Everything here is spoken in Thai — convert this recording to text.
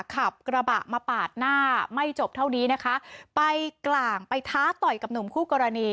ขับกระบะมาปาดหน้าไม่จบเท่านี้นะคะไปกลางไปท้าต่อยกับหนุ่มคู่กรณี